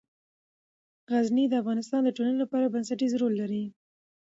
غزني د افغانستان د ټولنې لپاره بنسټيز رول لري.